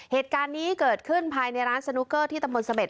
เหตุการณ์นี้เกิดขึ้นภายในร้านสนุกเกอร์ที่ตำบลเสม็ด